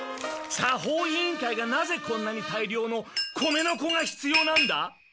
作法委員会がなぜこんなに大量の米の粉が必要なんだ？